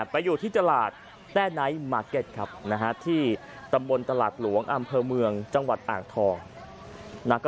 ไปอยู่ที่ตลาดแต้ไนท์มาร์เก็ตครับที่ตำบลตลาดหลวงอำเภอเมืองจังหวัดอ่างทอง